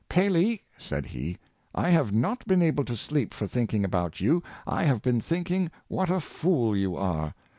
^' Paley," said he, " I have not been able to sleep for thinking about you. I have been thinking what a fool you are!